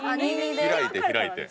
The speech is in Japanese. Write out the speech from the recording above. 開いて開いて。